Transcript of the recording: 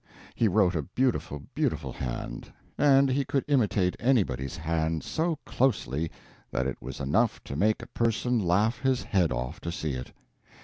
He wrote a beautiful, beautiful hand. And he could imitate anybody's hand so closely that it was enough to make a person laugh his head off to see it.